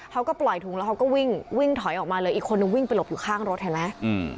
เขาก็ปล่อยถุงแล้วเขาก็วิ่งวิ่งถอยออกมาเลยอีกคนนึงวิ่งไปหลบอยู่ข้างรถเห็นไหม